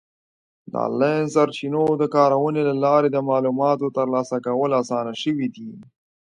د آنلاین سرچینو د کارونې له لارې د معلوماتو ترلاسه کول اسان شوي دي.